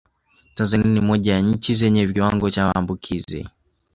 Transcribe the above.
Tanzania ni moja ya nchi zenye kiwango cha maambukizi